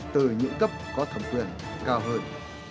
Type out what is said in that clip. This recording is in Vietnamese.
từ những cấp có thẩm quyền cao hơn